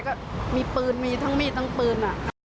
ก็มีปืนมีทั้งมีดทั้งปืน